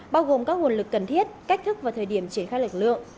bao gồm các nguồn lực cần thiết cách thức và thời điểm triển khai lực lượng